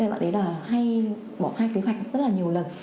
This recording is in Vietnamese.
bạn đấy là hay bỏ thai kế hoạch rất là nhiều lần